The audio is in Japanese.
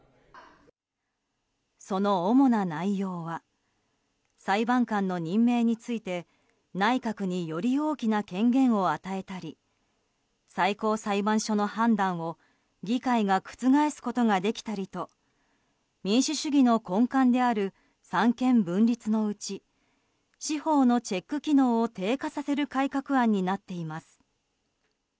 その主な内容は裁判官の任命について内閣により大きな権限を与えたり最高裁判所の判断を議会が覆すことができたりと民主主義の根幹である三権分立のうち司法のチェック機能を低下させる改革案になっています。